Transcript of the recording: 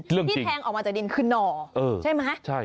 ยังสิที่แทงออกมาจากดินคือนอใช่ไหมใช่